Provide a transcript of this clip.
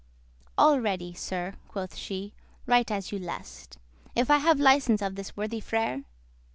"All ready, sir," quoth she, "right as you lest,* *please If I have licence of this worthy Frere."